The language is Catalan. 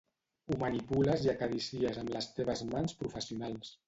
Ho manipules i acaricies amb les teves mans professionals.